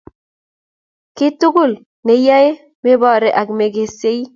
Kitugul ne iyae mebore ak mekesei